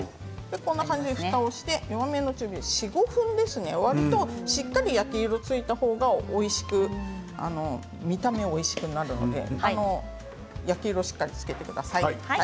ふたをして弱めの中火で４、５分するとしっかり焼き色がついた方が見た目おいしくなるので焼き色をしっかりつけてください。